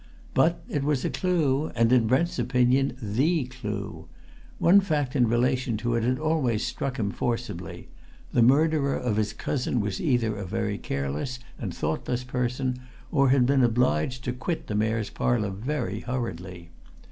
But it was a clue, and, in Brent's opinion, the clue. One fact in relation to it had always struck him forcibly the murderer of his cousin was either a very careless and thoughtless person or had been obliged to quit the Mayor's Parlour very hurriedly.